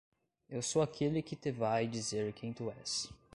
eu sou aquele que te vai dizer quem tu és.